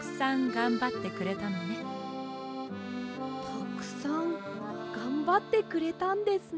たくさんがんばってくれたんですね。